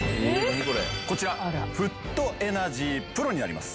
こちらフットエナジープロになります。